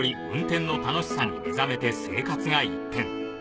運転の楽しさに目覚めて生活が一変。